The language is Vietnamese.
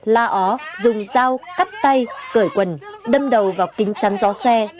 la ó dùng dao cắt tay cởi quần đâm đầu vào kính chắn gió xe